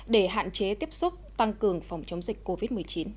để hạn chế tiếp xúc tăng cường phòng chống dịch covid một mươi chín